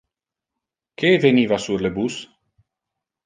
Que eveniva sur le bus?